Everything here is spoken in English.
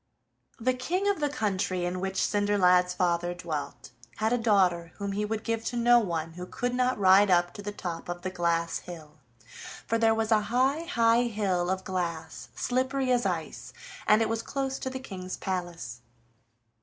The King of the country in which Cinderlad's father dwelt had a daughter whom he would give to no one who could not ride up to the top of the glass hill, for there was a high, high hill of glass, slippery as ice, and it was close to the King's palace.